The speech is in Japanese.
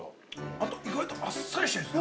◆あと、意外とあっさりしてるんですね。